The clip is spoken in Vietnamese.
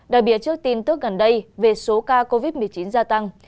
đặc biệt trước tin tức gần đây về số ca covid một mươi chín gia tăng